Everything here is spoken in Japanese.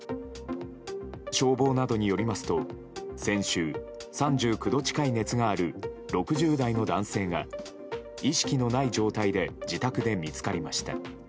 消防などによりますと先週、３９度近い熱がある６０代の男性が意識のない状態で自宅で見つかりました。